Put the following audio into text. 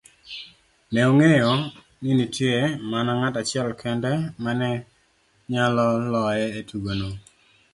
Ne ong'eyo nine nitie mana ng'at achiel kende mane nyalo loye etugono.